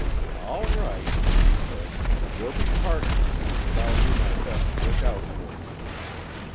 "All right," he said. "We'll be partners, and I'll do my best to look out for you."